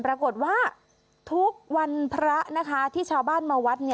ปรากฏว่าทุกวันพระนะคะที่ชาวบ้านมาวัด